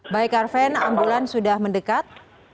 baik arven ambulan sudah mendekat